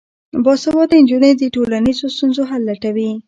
باسواده نجونې د ټولنیزو ستونزو حل لټوي.